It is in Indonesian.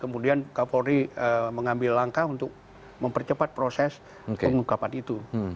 kemudian kapolri mengambil langkah untuk mempercepat proses pengungkapan itu